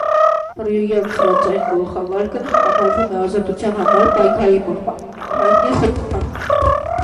Փռյուգյան սրածայր գլխավարկը համարվում է ազատության համար պայքարի մղման հայտնի խորհրդանիշ։